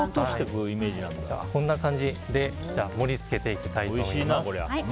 こんな感じで盛り付けていきたいと思います。